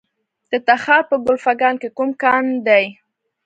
د تخار په کلفګان کې کوم کان دی؟